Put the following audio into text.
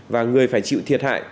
và người phải chịu thiệt hại